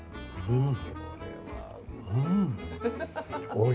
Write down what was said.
うん。